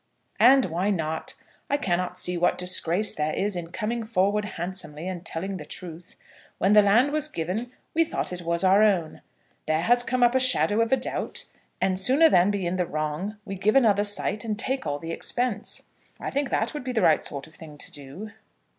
"And why not? I cannot see what disgrace there is in coming forward handsomely and telling the truth. When the land was given we thought it was our own. There has come up a shadow of a doubt, and sooner than be in the wrong, we give another site and take all the expense. I think that would be the right sort of thing to do."